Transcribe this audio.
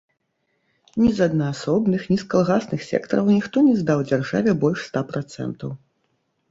Ні з аднаасобных, ні з калгасных сектараў ніхто не здаў дзяржаве больш ста працэнтаў.